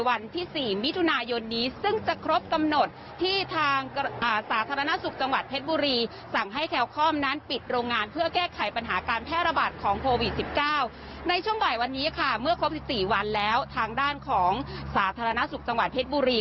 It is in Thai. วันแล้วทางด้านของสาธารณสุขจังหวัดเพชรบุรี